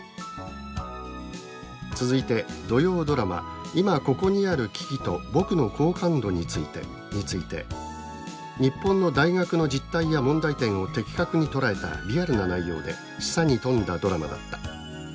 続いて土曜ドラマ「今ここにある危機とぼくの好感度について」について「日本の大学の実態や問題点を的確に捉えたリアルな内容で示唆に富んだドラマだった。